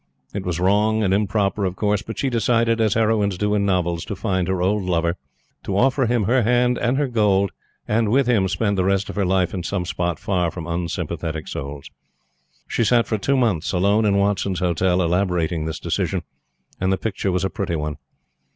It was wrong and improper, of course, but she decided, as heroines do in novels, to find her old lover, to offer him her hand and her gold, and with him spend the rest of her life in some spot far from unsympathetic souls. She sat for two months, alone in Watson's Hotel, elaborating this decision, and the picture was a pretty one.